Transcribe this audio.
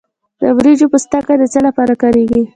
د وریجو پوستکی د څه لپاره کاریږي؟